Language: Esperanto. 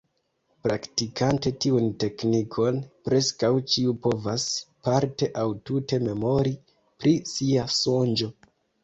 Praktikante tiun teknikon, preskaŭ ĉiu povas parte aŭ tute memori pri sia sonĝo.